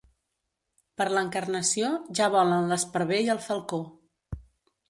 Per l'Encarnació ja volen l'esparver i el falcó.